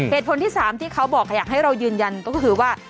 เหตุผลที่๓ที่เขาบอกอยากให้เรายืนยันก็คือว่า